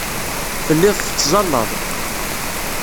Telliḍ tettẓallaḍ.